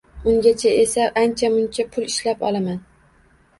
Ungacha esa ancha-muncha pul ishlab olaman